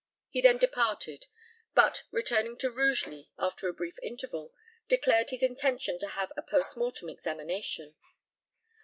He then departed, but, returning to Rugeley after a brief interval, declared his intention to have a post mortem examination.